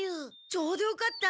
ちょうどよかった！